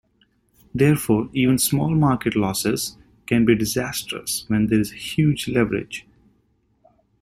Therefore, even small market losses can be disastrous when there is a huge leverage.